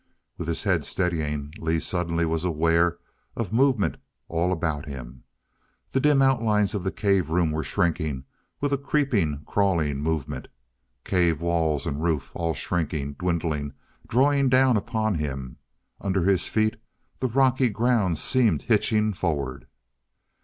With his head steadying, Lee suddenly was aware of movement all about him. The dim outlines of the cave room were shrinking with a creeping, crawling movement. Cave walls and roof all shrinking, dwindling, drawing down upon him. Under his feet the rocky ground seemed hitching forward.